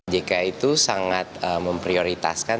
jk itu sangat memprioritaskan